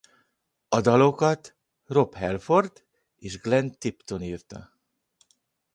A dalokat Rob Halford és Glenn Tipton írta.